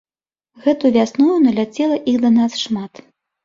Гэтаю вясною наляцела іх да нас шмат.